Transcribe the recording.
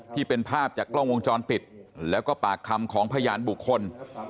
ที่เป็นภาพจากกล้องวงจรปิดแล้วก็ปากคำของพยานบุคคล